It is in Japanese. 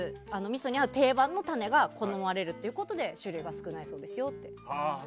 みそに合う定番の種が好まれるということで種類が少ないですよとか。